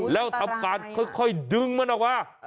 แล้วทำการค่อยดึงมันออกมา